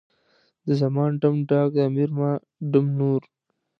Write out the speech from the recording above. د زمان ډم، ډاګ، د امیر ما ډم نور.